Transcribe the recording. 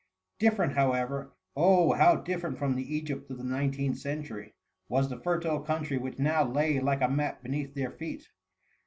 Different, however, oh ! how different from the Egypt of the nineteenth century, was the fertile country which now lay like a map beneath their feet